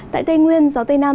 tại tây nguyên gió tây nam